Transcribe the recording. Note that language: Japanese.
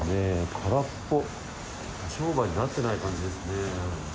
空っぽ、商売になってない感じですね。